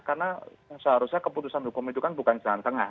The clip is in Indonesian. karena seharusnya keputusan hukum itu kan bukan jalan tengah